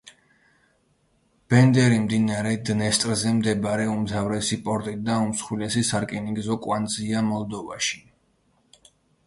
ბენდერი მდინარე დნესტრზე მდებარე უმთავრესი პორტი და უმსხვილესი სარკინიგზო კვანძია მოლდოვაში.